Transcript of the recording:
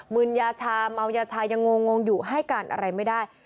ืนยาชาเมายาชายังงงอยู่ให้การอะไรไม่ได้